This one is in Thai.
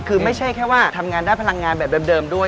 คือไม่ใช่แค่ว่าทำงานได้พลังงานแบบเดิมด้วย